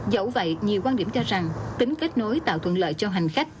dẫu vậy nhiều quan điểm cho rằng tính kết nối tạo thuận lợi cho hành khách